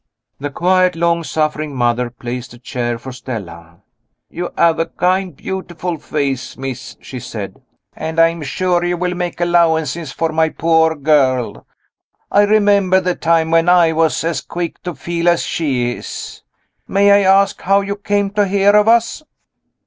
The quiet long suffering mother placed a chair for Stella. "You have a kind beautiful face, miss," she said; "and I am sure you will make allowances for my poor girl. I remember the time when I was as quick to feel as she is. May I ask how you came to hear of us?"